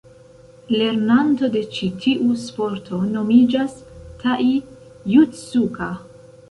Lernanto de ĉi tiu sporto nomiĝas Tai-Jutsuka.